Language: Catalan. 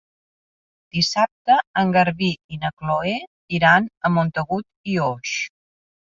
Dissabte en Garbí i na Chloé iran a Montagut i Oix.